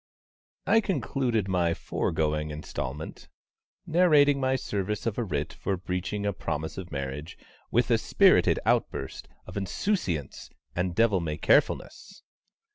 _ I concluded my foregoing instalment, narrating my service of a writ for breaching a promise of marriage, with a spirited outburst of insouciance and devilmaycarefulness.